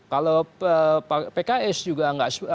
kalau pks juga nggak